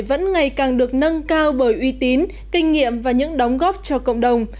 vẫn ngày càng được nâng cao bởi uy tín kinh nghiệm và những đóng góp cho cộng đồng